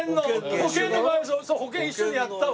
保険一緒にやったわ！